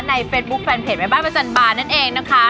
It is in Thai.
เฟซบุ๊คแฟนเพจแม่บ้านประจันบาลนั่นเองนะคะ